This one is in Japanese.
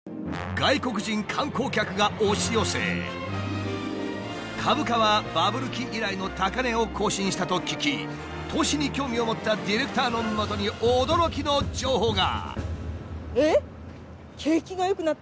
外国人観光客が押し寄せ株価はバブル期以来の高値を更新したと聞き投資に興味を持ったディレクターのもとに驚きの情報が。